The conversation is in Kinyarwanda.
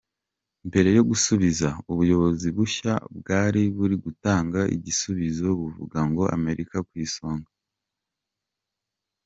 Mbere yo gusubiza, ubuyobozi bushya bwari buri gutanga igisubizo buvuga ngo ‘Amerika ku isonga’.